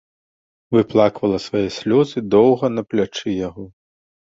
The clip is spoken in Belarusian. Выплаквала свае слёзы доўга на плячы яго.